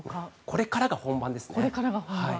これからが本番ですね。